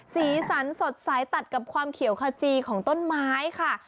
สีสันสดใสตัดกับความเขียวขจีของต้นไม้ค่ะ